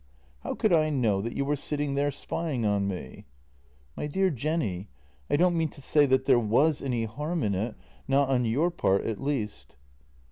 How could I know that you were sitting there spying on me? "" My dear Jenny, I don't mean to say that there was any harm in it, not on your part at least."